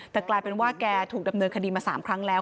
แต่กลายเป็นว่าแกถูกดำเนินคดีมา๓ครั้งแล้ว